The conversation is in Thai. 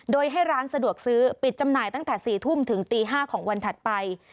โดยให้ร้านสะดวกซื้อปิดจำหน่ายตั้งแต่๔ทุ่มถึงตี๕ของวันถัดไป